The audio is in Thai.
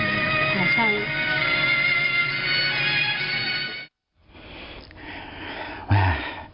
ใช่